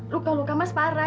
luka luka mas parah